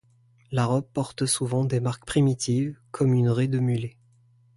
La robe porte souvent des marques primitives, comme une raie de mulet.